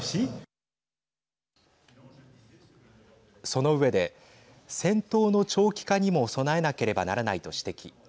その上で戦闘の長期化にも備えなければならないと指摘。